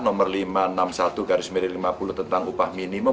nomor lima ratus enam puluh satu garis miring lima puluh tentang upah minimum